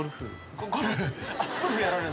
ゴルフ？